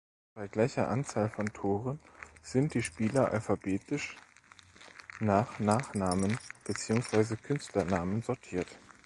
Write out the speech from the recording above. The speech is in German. Bei gleicher Anzahl von Toren sind die Spieler alphabetisch nach Nachnamen beziehungsweise Künstlernamen sortiert.